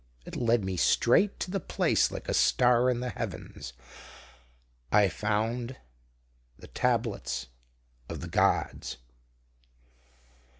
It led me straight to the place like a star in the heavens. I found the Tablets of the Gods."